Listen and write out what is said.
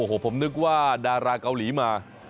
โอ้โหผมนึกว่าดาราเกาหลีมา